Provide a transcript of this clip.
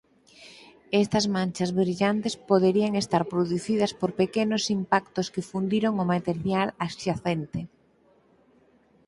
Estas manchas brillantes poderían estar producidas por pequenos impactos que fundiron o material adxacente.